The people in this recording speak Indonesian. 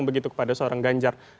begitu kepada seorang ganjar